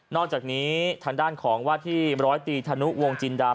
อกจากนี้ทางด้านของว่าที่ร้อยตีธนุวงจินดา